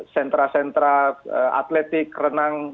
sentra sentra atletik renang